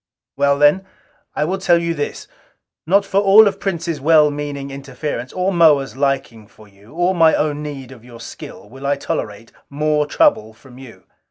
"Well then, I will tell you this: not for all of Prince's well meaning interference, or Moa's liking for you, or my own need of your skill, will I tolerate more trouble from you.